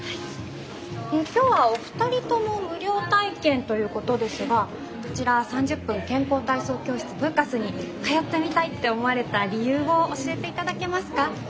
今日はお二人とも無料体験ということですがこちら３０分健康体操教室・ブーカスに通ってみたいって思われた理由を教えて頂けますか。